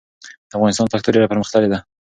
د افغانستان پښتو ډېره پرمختللې ده.